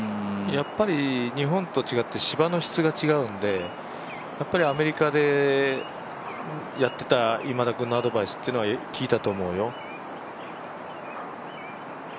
やっぱり日本と違って芝の質が違うんでアメリカでやってた今田君のアドバイスというのは効いたと思うよ。